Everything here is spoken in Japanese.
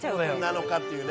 なのかっていうね。